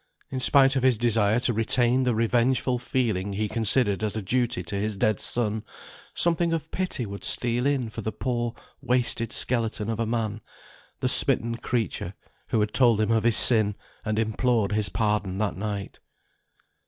In spite of his desire to retain the revengeful feeling he considered as a duty to his dead son, something of pity would steal in for the poor, wasted skeleton of a man, the smitten creature, who had told him of his sin, and implored his pardon that night.